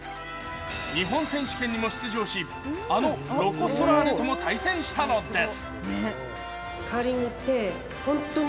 日本選手権にも出場し、あのロコ・ソラーレとも対戦したのです。